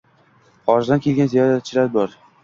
Xorijdan kelgan ziyoratchilar bor.